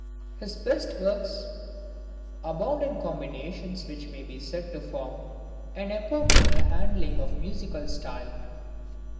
His best works abound in combinations which may be said to form an epoch in the handling of musical style.